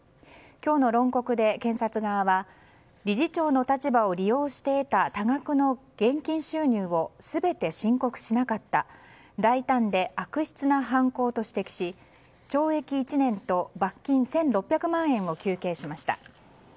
今日の論告で、検察側は理事長の立場を利用して得た多額の現金収入を全て申告しなかった大胆で悪質な犯行と指摘し懲役１年と罰金１６００万円を求刑しました。